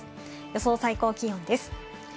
予想最高気温です。